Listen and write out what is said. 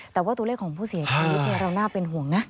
แต่ว่าตัวเลขของผู้เสียชีวิตเราน่าเป็นห่วงนะ